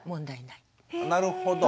なるほど。